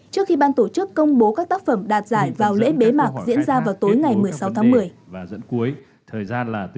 trước khi ban tổ chức công bố các tác phẩm đạt giải vào lễ bế mạc diễn ra vào tối ngày một mươi sáu tháng một mươi